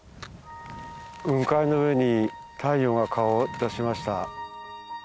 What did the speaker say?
雲海の上に太陽が顔を出しました。